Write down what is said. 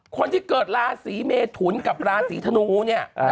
คนที่เกิดราศีเมทุนกับราศีธนูเนี่ย